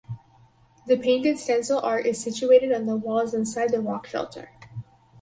The painted stencil art is situated on the walls inside the rock shelter.